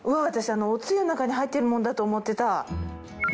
私おつゆの中に入ってるもんだと思ってた。